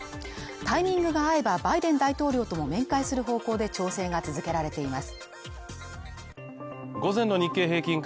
タイミングが合えばバイデン大統領とも面会する方向で調整が続けられています。